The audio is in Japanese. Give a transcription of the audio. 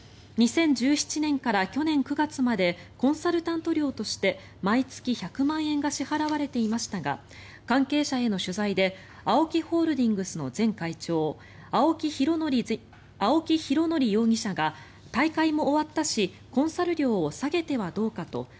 ２０１７年から去年９月までコンサルタント料として毎月１００万円が支払われていましたが関係者への取材でＡＯＫＩホールディングスの前会長、青木拡憲容疑者が大会も終わったしコンサル料を下げてはどうかとＡＯＫＩ